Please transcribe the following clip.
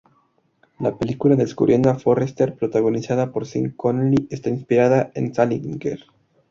La película "Descubriendo a Forrester", protagonizada por Sean Connery está inspirada en Salinger.